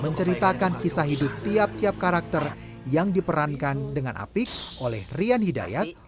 menceritakan kisah hidup tiap tiap karakter yang diperankan dengan apik oleh rian hidayat